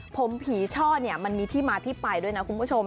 ผมผีช่อเนี่ยมันมีที่มาที่ไปด้วยนะคุณผู้ชม